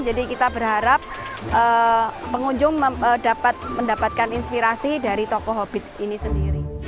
jadi kita berharap pengunjung mendapatkan inspirasi dari tokoh hobbit ini sendiri